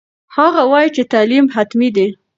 هغه وایي چې تعلیم حتمي دی.